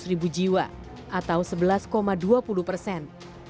sebenarnya ini adalah sebuah kegiatan yang sangat berharga